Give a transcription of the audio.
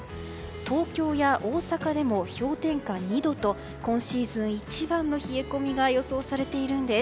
東京や大阪でも氷点下２度と今シーズン一番の冷え込みが予想されているんです。